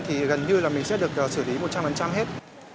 thì gần như là mình sẽ được xử lý một trăm linh hết